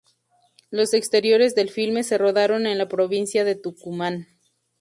Los exteriores del filme se rodaron en la provincia de Tucumán.